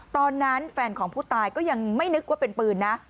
แฟนของผู้ตายก็ยังไม่นึกว่าเป็นปืนนะ